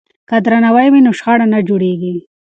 که درناوی وي نو شخړه نه جوړیږي.